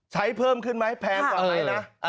เพิ่มขึ้นไหมแพงกว่าไหมนะ